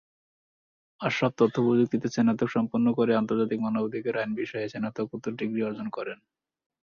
আশরাফ তথ্য প্রযুক্তিতে স্নাতক সম্পন্ন করে আন্তর্জাতিক মানবাধিকার আইন বিষয়ে স্নাতকোত্তর ডিগ্রি অর্জন করেন।